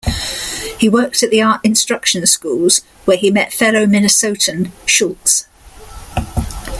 He worked at the Art Instruction Schools, where he met fellow Minnesotan Schulz.